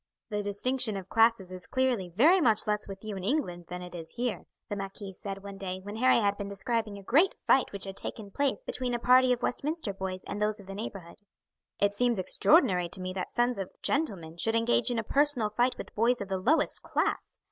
"The distinction of classes is clearly very much less with you in England than it is here," the marquis said one day when Harry had been describing a great fight which had taken place between a party of Westminster boys and those of the neighbourhood. "It seems extraordinary to me that sons of gentlemen should engage in a personal fight with boys of the lowest class.